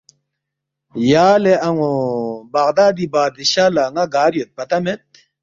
”یا لہ ان٘و بغدادی بادشاہ لہ ن٘ا گار یود پتہ مید